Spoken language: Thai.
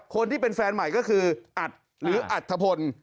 คนที่เป็นแฟนใหม่ก็คืออัดหรืออัธพล